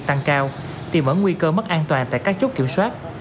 tăng cao tìm mở nguy cơ mất an toàn tại các chốt kiểm soát